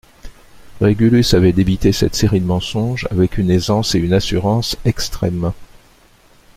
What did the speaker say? Régulus avait débité cette série de mensonges avec une aisance et une assurance extrêmes.